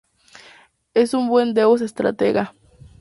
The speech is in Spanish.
Es un buen Deus estratega.